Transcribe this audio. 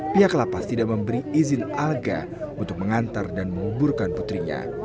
pihak lapas tidak memberi izin alga untuk mengantar dan menguburkan putrinya